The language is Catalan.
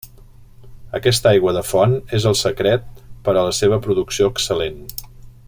Aquesta aigua de font és el secret per a la seva producció excel·lent.